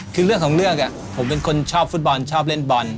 คือเรื่องของเรื่องผมเป็นคนชอบฟุตบอลชอบเล่นบอล